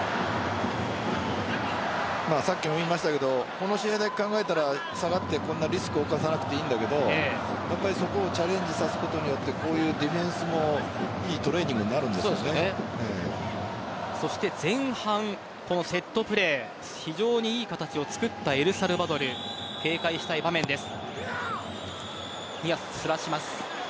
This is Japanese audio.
さっきも言いましたがこの試合だけ考えたら下がってこんなリスクを冒さなくていいんだけどそこをチャレンジさせることによってディフェンスもそして前半、このセットプレー非常に良い形を作ったエルサルバドル警戒したい場面です。